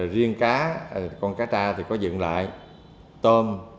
riêng cá con cá ta thì có dựng lại tôm